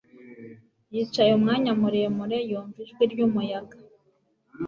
Yicaye umwanya muremure yumva ijwi ryumuyaga